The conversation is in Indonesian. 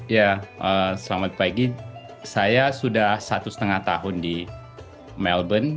ya selamat pagi saya sudah satu setengah tahun di melbourne